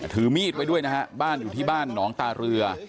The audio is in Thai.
ถือมีดไว้ด้วยนะฮะบ้านอยู่ที่บ้านหนองตาเรือ